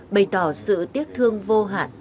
bày tỏ sự tiếc thương vô hạn